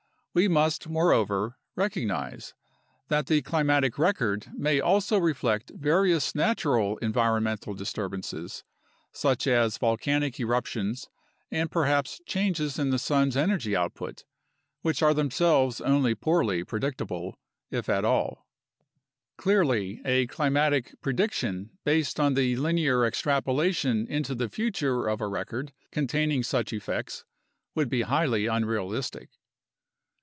We must, moreover, recognize that the climatic record may also reflect various natural environmental disturb ances, such as volcanic eruptions and perhaps changes of the sun's energy output, which are themselves only poorly predictable, if at all. Clearly, a climatic prediction based on the linear extrapolation into the future of a record containing such effects would be highly unrealistic.